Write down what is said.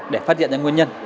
để phát hiện ra nguyên nhân